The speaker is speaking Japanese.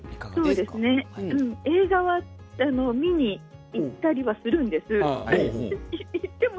そうですね、映画は見に行ったりはするんです。